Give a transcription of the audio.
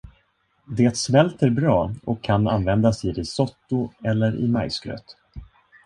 Det smälter bra, och kan användas i risotto eller i majsgröt.